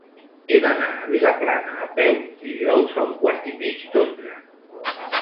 He d'anar a Vilaplana a peu dijous a un quart i mig d'onze.